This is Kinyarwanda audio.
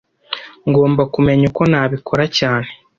Ngomba kumenya uko nabikora cyane